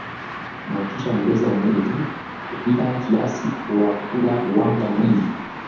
na ukisha ongeza unene tu kupita kiasi kwa kula wanga mwingi